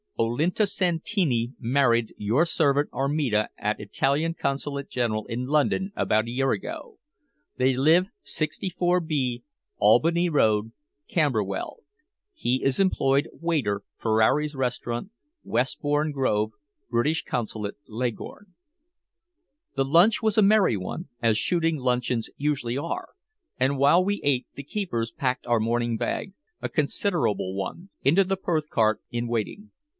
Olinto Santini married your servant Armida at Italian Consulate General in London about a year ago. They live 64B, Albany Road, Camberwell: he is employed waiter Ferrari's Restaurant, Westbourne Grove. British Consulate, Leghorn"_ The lunch was a merry one, as shooting luncheons usually are, and while we ate the keepers packed our morning bag a considerable one into the Perth cart in waiting.